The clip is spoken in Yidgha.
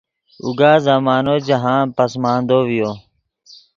اوگا زمانو جاہند پسماندو ڤیو